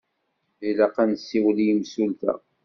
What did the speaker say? Ilaq ad nessiwel i yimsulta.